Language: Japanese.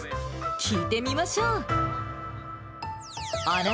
聞いてみましょう。